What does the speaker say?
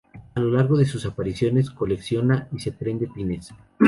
A lo largo de sus apariciones, colecciona y se prende pines.